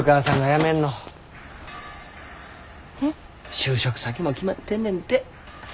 就職先も決まってんねんて。